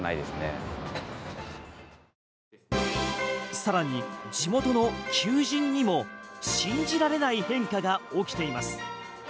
さらに地元の求人にも信じられない変化が起きています。